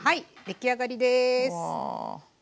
出来上がりです。